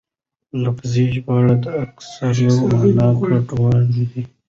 لفظي ژباړه اکثره مانا ګډوډوي.